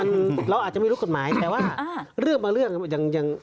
มันเราอาจจะไม่รู้กฎหมายแต่ว่าเรื่องบางเรื่อง